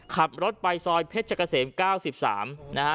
ขับรถไปซอยเพชรเกษม๙๓นะฮะ